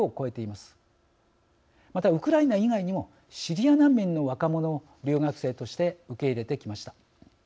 またウクライナ以外にもシリア難民の若者を留学生として受け入れてきました。